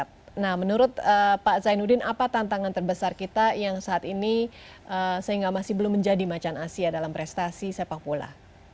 dan menurut pak zainuddin apa tantangan terbesar kita yang saat ini sehingga masih belum menjadi macan asia dalam prestasi sepak bola